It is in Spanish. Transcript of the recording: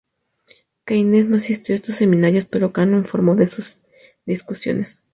Keynes no asistió a estos seminarios, pero Kahn lo informó de sus discusiones.